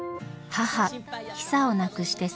母ヒサを亡くして３年。